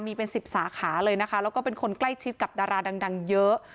มีเป็น๑๐สาขาเลยนะคะแล้วก็เป็นคนใกล้ชิดกับดาราดังเยอะ